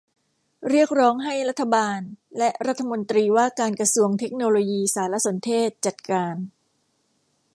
เรียกร้องให้รัฐบาลและรัฐมนตรีว่าการกระทรวงเทคโนโลยีสารสนเทศจัดการ